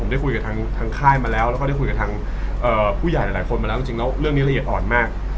ได้คุยกับทางค่ายมาแล้วแล้วก็ได้คุยกับทางผู้ใหญ่หลายคนมาแล้วจริงแล้วเรื่องนี้ละเอียดอ่อนมาก